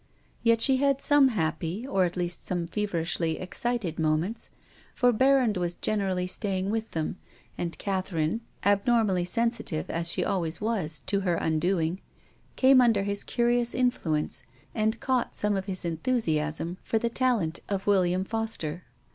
Yet she had some happy, or at least some feverishly excited, mo ments, for Berrand was generally staying with them, and Catherine — abnormally sensitive as she always was to her undoing, — came under his curious influence and caught some of his enthu siasm for the talent of " William Foster."